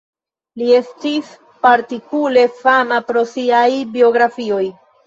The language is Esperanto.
Li estis partikulare fama pro siaj biografioj.